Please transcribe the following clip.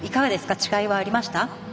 違いはありました？